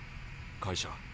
会社。